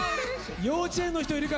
幼稚園の人いるかな？